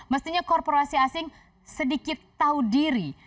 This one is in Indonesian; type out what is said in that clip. mestinya korporasi asing sedikit tahu diri